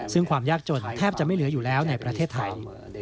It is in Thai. ซึ่งความยากจนแทบจะไม่เหลืออยู่แล้วในประเทศไทย